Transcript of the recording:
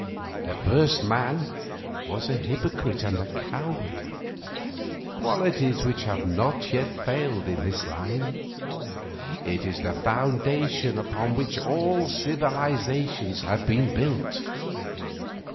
The first man was a hypocrite and a coward, qualities which have not yet failed in his line; it is the foundation upon which all civilizations have been built.